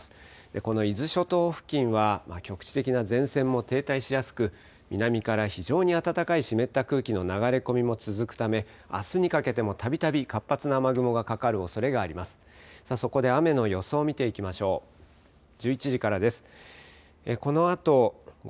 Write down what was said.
この伊豆諸島付近は局地的な前線も停滞しやすく南から非常に暖かい湿った空気の流れ込みも続くためあすにかけてもたびたび活発な雨雲がかかるおそれがあります。